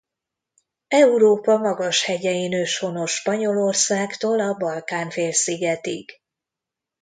Európa magashegyein őshonos Spanyolországtól a Balkán-félszigetig.